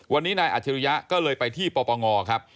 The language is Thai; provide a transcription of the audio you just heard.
วันนี้นายอัจฉริยะก็เลยไปที่ปปงครับ